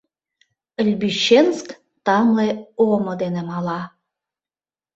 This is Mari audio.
Лбищенск тамле омо дене мала.